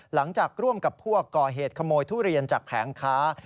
หลังจากร่วมกับพวกก่อเหตุขโมยทุเรียนจากแผงค้า